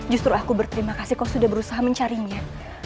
justru aku berterima kasih kok sudah berusaha mencarinya